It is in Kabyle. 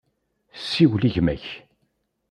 Siwel i gma-k.